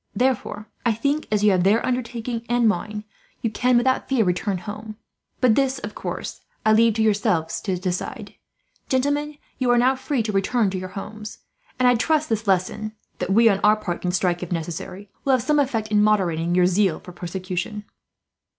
Therefore I think, as you have their undertaking and mine, you can without fear return home; but this, of course, I leave to yourself to decide. "Gentlemen, you are now free to return to your homes; and I trust this lesson that we, on our part, can strike, if necessary will have some effect in moderating your zeal for persecution."